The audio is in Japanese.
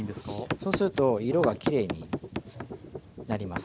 そうすると色がきれいになります。